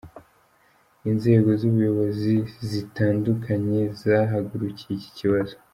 Inzego z’ubuyobozi zitandukanye zahagurukiye iki kibazo.